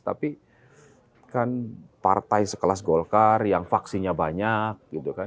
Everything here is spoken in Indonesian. tapi kan partai sekelas golkar yang faksinya banyak gitu kan